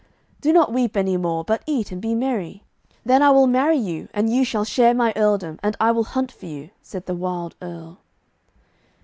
'Do not weep any more, but eat and be merry. Then I will marry you, and you shall share my earldom, and I will hunt for you,' said the wild Earl.